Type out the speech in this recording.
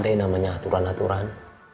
ada yang namanya aturan aturan